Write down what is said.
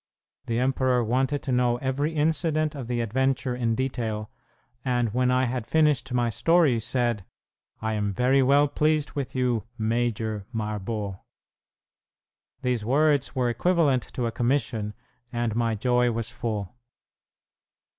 The emperor wanted to know every incident of the adventure in detail, and when I had finished my story said, "I am very well pleased with you, 'Major' Marbot." These words were equivalent to a commission, and my joy was full.